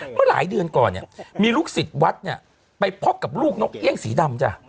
เมื่อหลายเดือนก่อนเนี่ยมีลูกศิษย์วัดเนี่ยไปพบกับลูกนกเอี่ยงสีดำจ้ะ